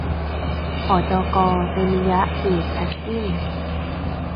หจก.เตมิยะเดชแพคกิ้ง